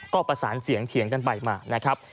ก็ประสานเสียงเถียงกันไปมานะครับ